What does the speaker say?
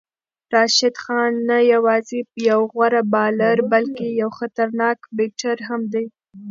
راشد خان نه یوازې یو غوره بالر بلکې یو خطرناک بیټر هم دی.